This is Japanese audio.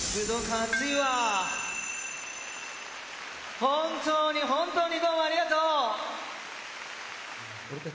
本当に本当にどうもありがとう。